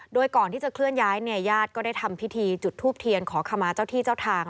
โดยก่อนที่จะเคลื่อนย้ายเนี่ยญาติก็ได้ทำพิธีจุดทูปเทียนขอขมาเจ้าที่เจ้าทาง